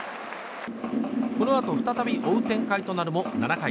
このあと再び追う展開となるも７回。